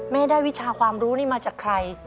แม่ได้วิชาความรู้นี่มาจากใคร